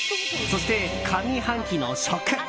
そして、上半期の食。